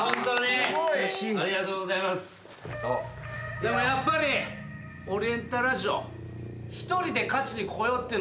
でもやっぱりオリエンタルラジオ。